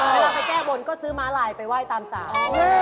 เวลาไปแก้บนก็ซื้อม้าลายไปไหว้ตามสาร